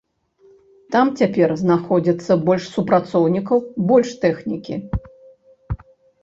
Там цяпер знаходзіцца больш супрацоўнікаў, больш тэхнікі.